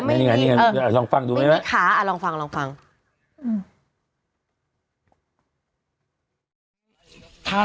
ไม่มีขา